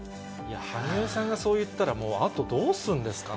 羽生さんがそう言ったら、もうあとどうするんですかね？